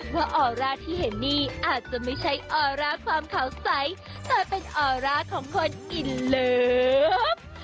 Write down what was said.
ออร่าที่เห็นนี่อาจจะไม่ใช่ออร่าความขาวใสแต่เป็นออร่าของคนอินเลิฟ